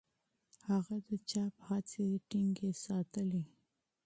هغه د چاپ هڅې ټینګې ساتلې.